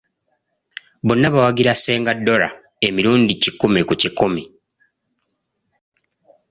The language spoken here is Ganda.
Bonna bawagira Ssenga Dora emirundi kikumi ku kikumi